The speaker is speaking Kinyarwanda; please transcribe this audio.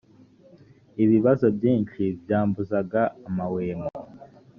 ibibazo byinshi byambuzaga amahwemo